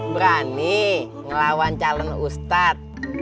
berani ngelawan calon ustadz